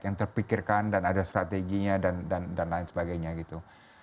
yang terpikirkan dan ada strateginya dan lain sebagainya gitu